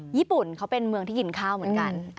ญี่ปุ่นเขาเป็นเมืองที่กินข้าวเหมือนกัน